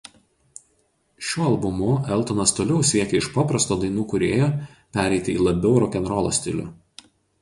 Šiuo albumu Eltonas toliau siekė iš paprasto dainų kūrėjo pereiti į labiau rokenrolo stilių.